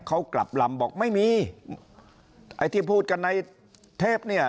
เขากลับลำบอกไม่มีไอ้ที่พูดกันในเทปเนี่ย